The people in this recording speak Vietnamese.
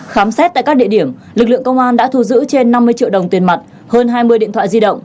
khám xét tại các địa điểm lực lượng công an đã thu giữ trên năm mươi triệu đồng tiền mặt hơn hai mươi điện thoại di động